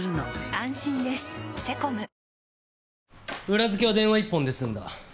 裏付けは電話一本で済んだ。